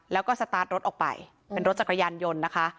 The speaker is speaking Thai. แล้วก็สตาร์ทรถออกไปเป็นรถจักรยานยนต์นะคะ